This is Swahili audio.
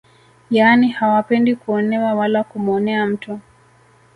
Yaani hawapendi kuonewa wala kumuonea mtu